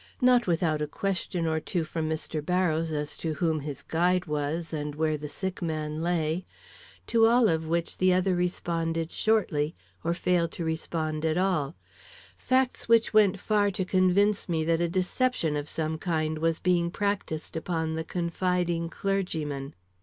Not without a question or two from Mr. Barrows as to whom his guide was and where the sick man lay, to all of which the other responded shortly or failed to respond at all, facts which went far to convince me that a deception of some kind was being practised upon the confiding clergyman.